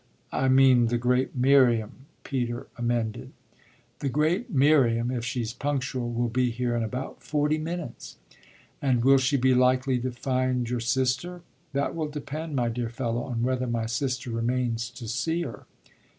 "I mean the great Miriam," Peter amended. "The great Miriam, if she's punctual, will be here in about forty minutes." "And will she be likely to find your sister?" "That will depend, my dear fellow, on whether my sister remains to see her."